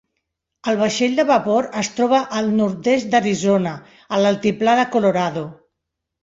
El vaixell de vapor es troba al nord-est d'Arizona a l'altiplà de Colorado.